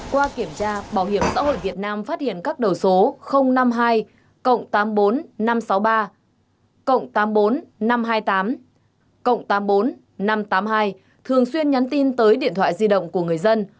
qua kiểm tra bảo hiểm xã hội việt nam phát hiện các đầu số năm mươi hai tám mươi bốn năm trăm sáu mươi ba tám mươi bốn năm trăm hai mươi tám năm trăm tám mươi hai thường xuyên nhắn tin tới điện thoại di động của người dân